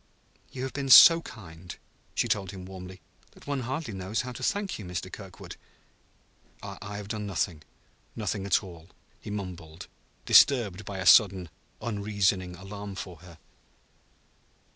"You have been so kind," she told him warmly, "that one hardly knows how to thank you, Mr. Kirkwood." "I have done nothing nothing at all," he mumbled, disturbed by a sudden, unreasoning alarm for her.